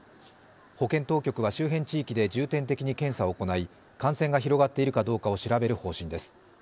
保健当局は周辺地域で重点的に検査を行い感染が広がっているかどうかを調べる方針です。